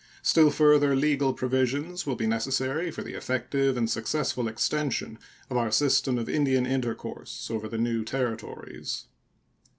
Still further legal provisions will be necessary for the effective and successful extension of our system of Indian intercourse over the new territories.